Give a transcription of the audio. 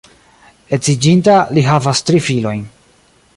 Edziĝinta, li havas tri filojn.